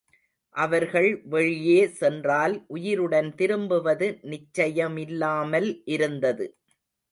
அவர்கள் வெளியே சென்றால் உயிருடன் திரும்புவது நிச்சயமில்லாமல் இருந்தது.